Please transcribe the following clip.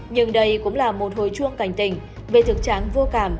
nhưng đây cũng là một hồi chuông cảnh tình về thực trạng vô cảm